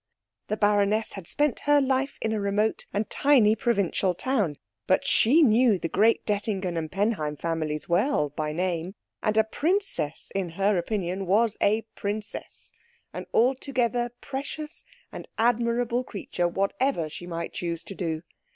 The baroness had spent her life in a remote and tiny provincial town, but she knew the great Dettingen and Penheim families well by name, and a princess in her opinion was a princess, an altogether precious and admirable creature, whatever she might choose to do.